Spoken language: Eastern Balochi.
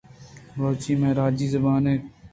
بلوچی مئے راجی زبان اِنت۔